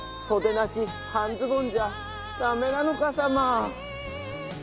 なしはんズボンじゃだめなのかサマー。